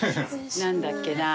何だっけな。